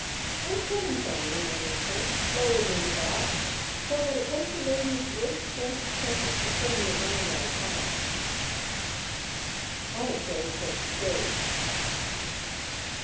I am sedentary in my nature, slow to move about, so that it takes a lady of great strength of purpose to pull me around on time. Anecdotes of the Stage.